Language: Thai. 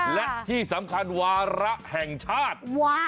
และที่สำคัญวาระแห่งชาติ